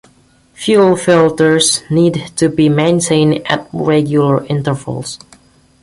Fuel filters need to be maintained at regular intervals.